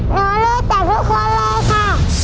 หนูเลือดแต่ทุกคนเลยค่ะ